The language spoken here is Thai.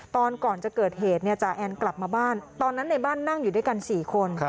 ก่อนจะเกิดเหตุจ่าแอนกลับมาบ้านตอนนั้นในบ้านนั่งอยู่ด้วยกัน๔คน